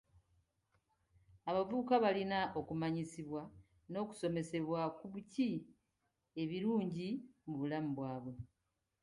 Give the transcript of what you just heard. Abavubuka balina okumanyisibwa n'okusomesebwa ku biki ebirungi mu bulamu bwabwe.